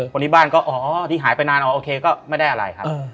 คนที่บ้านก็อ๋อที่หายไปนานอ๋อโอเคก็ไม่ได้อะไรครับ